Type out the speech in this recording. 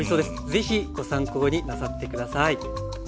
是非ご参考になさって下さい。